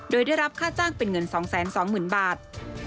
โดยได้รับค่าจ้างเป็นเงิน๒๒๐๐๐บาท